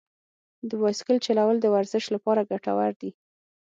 د بایسکل چلول د ورزش لپاره ګټور دي.